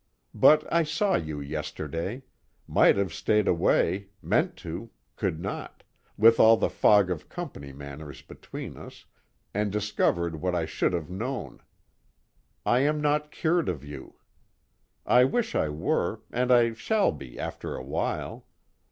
But I saw you yesterday might have stayed away, meant to, could not with all the fog of company manners between us, and discovered what I should have known: I am not cured of you. I wish I were, and I shall be after a while.